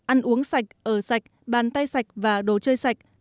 ăn uống sạch ở sạch bàn tay sạch và đồ chơi sạch